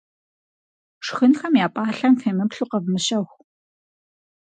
Шхынхэм я пӏалъэм фемыплъу къэвмыщэху.